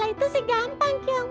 masalah itu segampang keong mas